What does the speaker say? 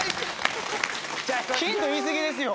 ヒント言いすぎですよ。